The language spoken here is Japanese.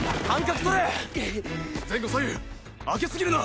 前後左右開けすぎるな。